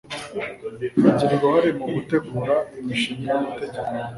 bagira uruhare mu gutegura imishinga y'amategeko